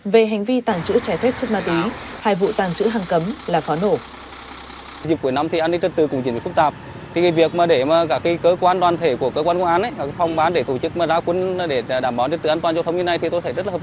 về hành vi tàng trữ trái phép chất ma túy hai vụ tàng trữ hàng cấm là pháo nổ